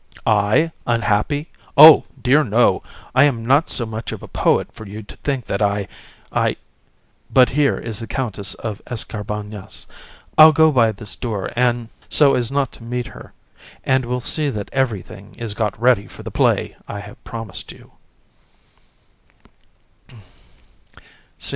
VISC. I unhappy? Oh! dear no, I am not so much of a poet for you to think that I ... but here is the Countess of Escarbagnas; I'll go by this door, so as not to meet her, and will see that everything is got ready for the play I have promised you.